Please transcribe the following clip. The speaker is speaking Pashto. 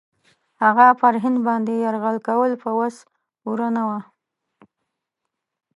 هغه پر هند باندي یرغل کول په وس پوره نه وه.